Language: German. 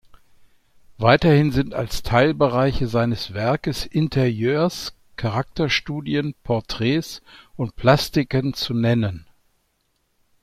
Weiterhin sind als Teilbereiche seines Werkes Interieurs, Charakterstudien, Porträts und Plastiken zu nennen.